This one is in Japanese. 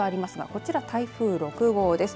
こちらは台風６号です。